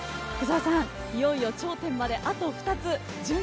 いよいよ頂点まであと２つ。